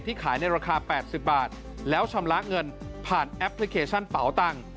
ขายในราคา๘๐บาทแล้วชำระเงินผ่านแอปพลิเคชันเป๋าตังค์